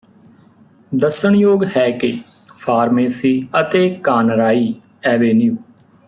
ਦੱਸਣਯੋਗ ਹੈ ਕਿ ਫਾਰਮੇਸੀ ਅਤੇ ਕਾਨਰਾਈ ਐਵੇਨਿਊ